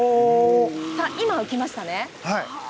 今浮きましたね。